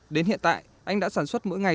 đến hiện tại anh đã sản xuất mỗi ngày